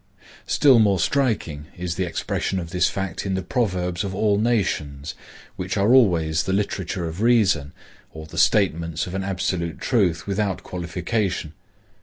Still more striking is the expression of this fact in the proverbs of all nations, which are always the literature of reason, or the statements of an absolute truth without qualification.